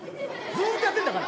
ずとやってんだから！